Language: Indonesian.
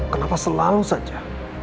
kenapa selalu saja